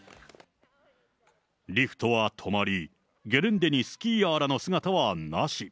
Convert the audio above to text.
リフトは止まり、ゲレンデにスキーヤーらの姿はなし。